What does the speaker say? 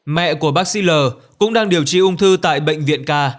mẹ của bác sĩ l cũng đang điều trị ung thư tại bệnh viện ca